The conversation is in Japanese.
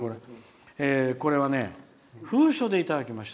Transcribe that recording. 封書でいただきました。